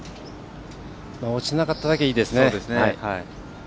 落ちなかっただけいいですね。